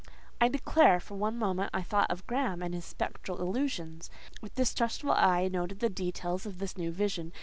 I declare, for one moment I thought of Graham and his spectral illusions. With distrustful eye I noted the details of this new vision.